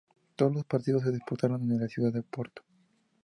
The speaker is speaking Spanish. Todos los partidos se disputaron en la ciudad de Oporto.